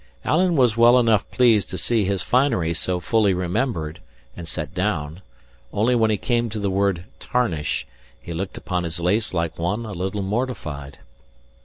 Alan was well enough pleased to see his finery so fully remembered and set down; only when he came to the word tarnish, he looked upon his lace like one a little mortified.